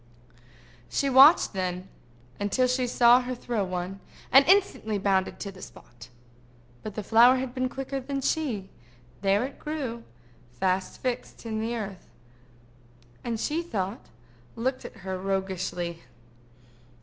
She watched then until she saw her throw one, and instantly bounded to the spot. But the flower had been quicker than she: there it grew, fast fixed in the earth, and, she thought, looked at her roguishly.